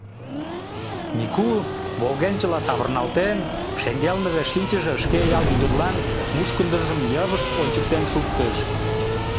Мику, волгенчыла савырналтен, шеҥгелныже шинчыше шке ял ӱдырлан мушкындыжым йывышт ончыктен шуктыш.